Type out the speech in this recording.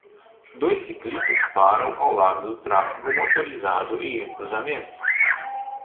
Dois ciclistas param ao lado do tráfego motorizado em um cruzamento.